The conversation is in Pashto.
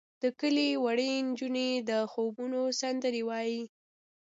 د کلي وړې نجونې د خوبونو سندرې وایې.